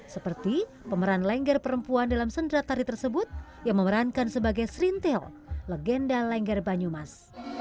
seperti pemeran lengger perempuan dalam sendera tari tersebut yang memerankan sebagai serintil legenda lengger banyumas